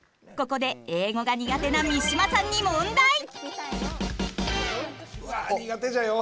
ここで英語が苦手な三島さんに問題！